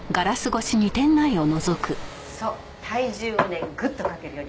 そう体重をねグッとかけるように。